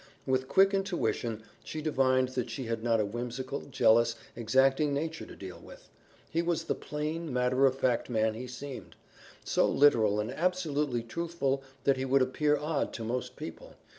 With quick intuition, she divined that she had not a whimsical, jealous, exacting nature to deal with. He was the plain, matter of fact man he seemed; so literal and absolutely truthful that he would appear odd to most people.